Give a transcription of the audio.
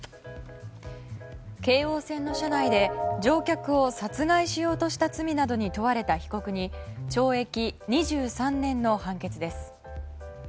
京王線の車内で乗客を殺害しようとした罪などに問われた被告に懲役２３年の判決です。